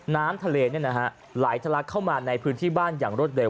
น้ำทะเลเนี้ยนะฮะไหลทะเลาะเข้ามาในพื้นที่บ้านอย่างรวดเร็ว